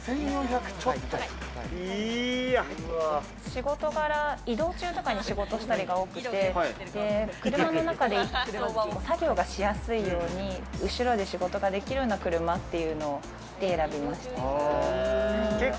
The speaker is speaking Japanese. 仕事柄、移動中とかに仕事したりが多くて、車の中で作業がしやすいように、後ろで仕事ができるような車っていうのを選びました。